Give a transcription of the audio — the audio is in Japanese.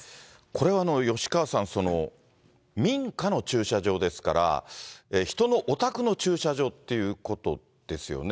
これは吉川さん、民家の駐車場ですから、人の、お宅の駐車場ということですよね。